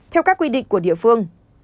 theo các quy định của địa phương